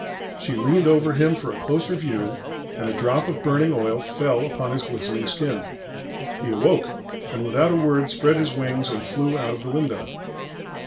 She leaned over him for a closer view, and a drop of burning oil fell upon his glistening skin. He awoke, and without a word spread his wings and flew out of the window.